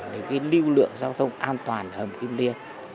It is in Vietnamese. để cái lưu lượng giao thông an toàn ở hầm kim liên